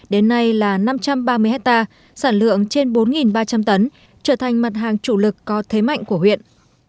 đến nay là năm trăm ba mươi hectare sản lượng trên bốn ba trăm linh tấn trở thành mặt hàng chủ lực có thế mạnh của huyện